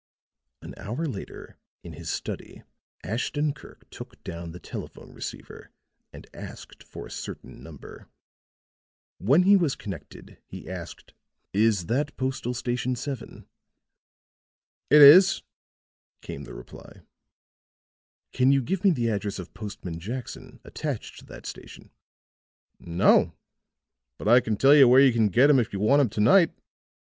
An hour later, in his study, Ashton Kirk took down the telephone receiver and asked for a certain number. When he was connected he asked: "Is that Postal Station Seven?" "It is," came the reply. "Can you give me the address of Postman Jackson, attached to that station?" "No. But I can tell you where you can get him if you want him to night."